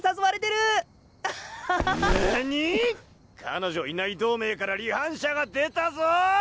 彼女いない同盟から離反者が出たぞ！